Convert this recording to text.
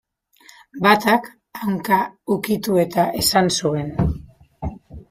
Batak, hanka ukitu eta esan zuen.